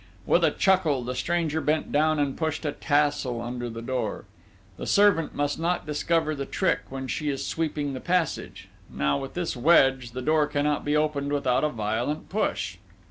With a chuckle, the stranger bent down and pushed a tassel under the door. The servant must not discover the trick when she is sweeping the passage: now with this wedge, the door cannot be opened without a violent push.